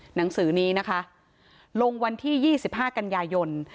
หนังสือนี้นะคะลงวันที่๒๕กันยายน